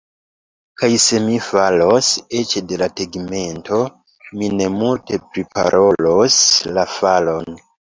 Kaj se mi falos eĉ de la tegmento, mi ne multe priparolos la falon.